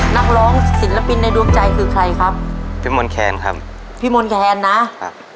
นักร้องศิลปินในดวงใจคือใครครับพี่มนต์แคนครับพี่มนต์แคนนะครับ